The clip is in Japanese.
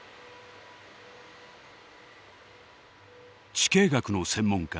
地形学の専門家